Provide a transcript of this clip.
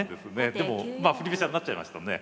でも振り飛車になっちゃいましたもんね。